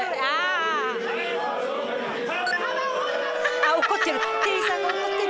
あ怒ってる。